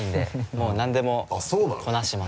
もう何でもこなします。